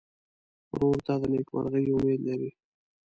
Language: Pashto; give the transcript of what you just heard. ورور ته د نېکمرغۍ امید لرې.